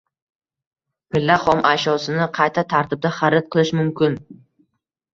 Pilla xom ashyosini qaysi tartibda xarid qilish mumkin?